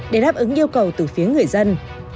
để đáp ứng yêu cầu từ phía người dân